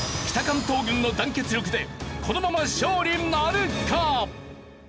北関東軍の団結力でこのまま勝利なるか！？